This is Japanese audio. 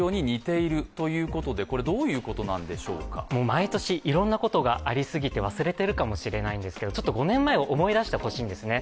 毎年いろんなことがありすぎて忘れているかもしれないんですが５年前を思い出してほしいんですね